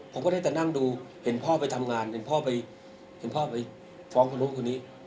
ผมก็ได้แต่นั่งดูเห็นพ่อไปทำงานเห็นพ่อไปเห็นพ่อไปฟ้องคนนู้นคนนี้